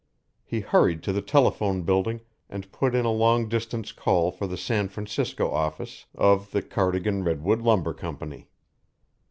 He hurried to the telephone building and put in a long distance call for the San Francisco office of the Cardigan Redwood Lumber Company.